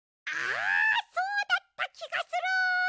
あそうだったきがする。